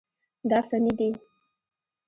دا فني دي.